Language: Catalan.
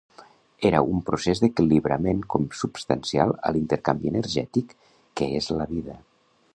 Era un procés d'equilibrament consubstancial a l'intercanvi energètic que és la vida.